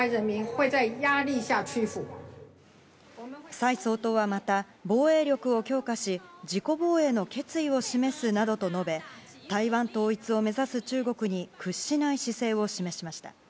蔡総統はまた、防衛力を強化し自己防衛の決意を示すなどと述べ台湾統一を目指す中国に屈しない姿勢を示しました。